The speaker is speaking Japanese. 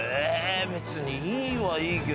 別にいいはいいけど。